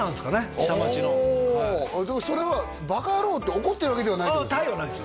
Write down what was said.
下町のだからそれは「バカ野郎」って怒ってるわけではない他意はないですよ